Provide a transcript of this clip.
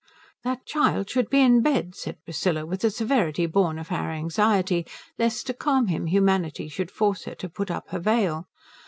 "That child should be in bed," said Priscilla, with a severity born of her anxiety lest, to calm him, humanity should force her to put up her veil.